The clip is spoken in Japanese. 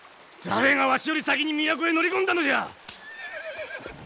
誰がわしより先に都へ乗り込んだのじゃ！？